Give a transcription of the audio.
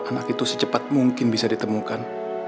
anak itu secepat mungkin bisa ditemukan